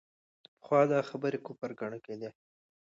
پخوا دا خبرې کفر ګڼل کېدې.